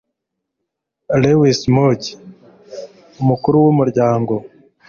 Lewis Mudge, umukuru w'umuryango